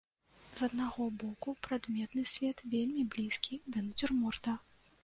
З аднаго боку, прадметны свет вельмі блізкі да нацюрморта.